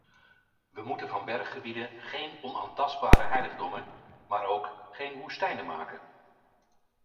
We moeten van berggebieden geen onaantastbare heiligdommen, maar ook geen woestijnen maken.